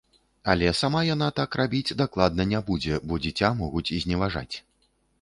Але сама яна так рабіць дакладна не будзе, бо дзіця могуць зневажаць.